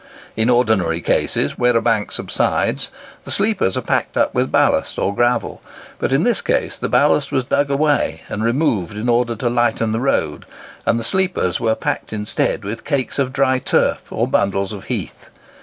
In ordinary cases, where a bank subsides, the sleepers are packed up with ballast or gravel; but in this case the ballast was dug away and removed in order to lighten the road, and the sleepers were packed instead with cakes of dry turf or bundles of heath.